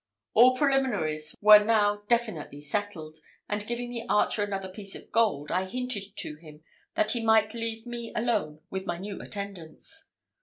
All preliminaries were now definitively settled; and giving the archer another piece of gold, I hinted to him that he might leave me alone with my new attendants.